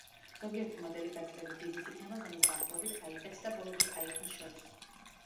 ზოგიერთი მოდელი გაცილებით დიდიც იქნება, ზომით დაახლოებით, „აიპედს“ და ბოლო დიდ „აიფონს“ შორის.